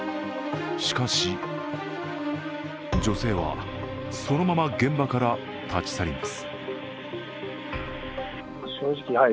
しかし、女性はそのまま現場から立ち去ります。